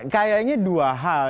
kayaknya dua hal